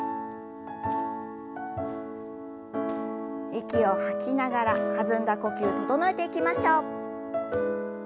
息を吐きながら弾んだ呼吸整えていきましょう。